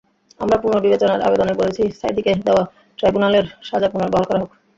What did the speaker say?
আমরা পুনর্বিবেচনার আবেদনে বলেছি, সাঈদীকে দেওয়া ট্রাইব্যুনালের সাজা পুনর্বহাল করা হোক।